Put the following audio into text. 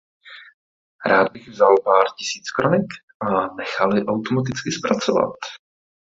Rád bych vzal pár tisíc kronik a nechal je automaticky zpracovat.